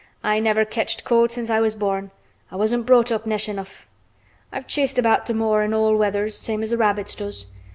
"I never ketched cold since I was born. I wasn't brought up nesh enough. I've chased about th' moor in all weathers same as th' rabbits does.